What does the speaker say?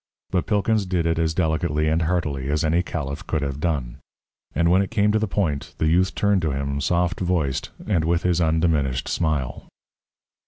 But Pilkins did it as delicately and heartily as any caliph could have done. And when it came to the point, the youth turned to him, soft voiced and with his undiminished smile.